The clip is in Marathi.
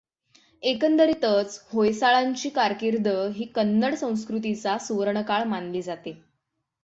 एकंदरीतच होयसाळांची कारकिर्द ही कन्नड संस्कृतीचा सुवर्णकाळ मानली जाते.